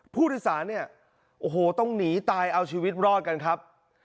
ผู้โดยสารเนี่ยโอ้โหต้องหนีตายเอาชีวิตรอดกันครับ